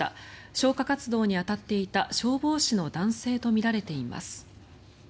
消火活動に当たっていた消防士の男性とみられています。